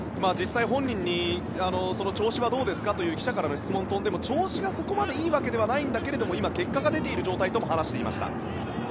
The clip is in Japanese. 実際、本人に調子はどうですか？という記者からの質問が飛んでも調子がそこまでいいわけではないけれど今、結果が出ている状態とも話していました。